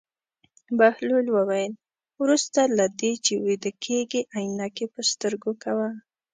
بهلول وویل: وروسته له دې چې ویده کېږې عینکې په سترګو کوه.